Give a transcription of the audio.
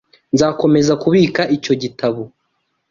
Nzakomeza kubika icyo gitabo.